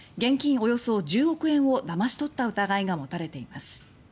およそ１０億円をだまし取った疑いが持たれています。